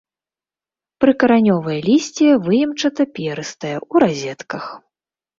Прыкаранёвае лісце выемчата-перыстае, у разетках.